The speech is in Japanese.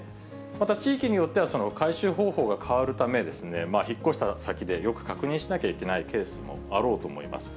また地域によっては、回収方法が変わるため、引っ越した先でよく確認しなきゃいけないケースもあろうと思います。